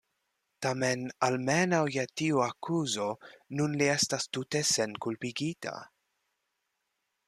Tamen, almenaŭ je tiu akuzo, nun li estas tute senkulpigita.